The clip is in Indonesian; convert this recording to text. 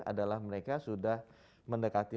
adalah mereka sudah mendekati